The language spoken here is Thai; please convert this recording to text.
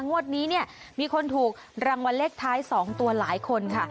งวดนี้มีคนถูกรังวะเล็กท้าย๒ตัวหลายคนค่ะ